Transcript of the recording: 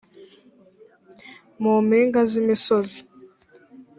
mu mpinga z imisozi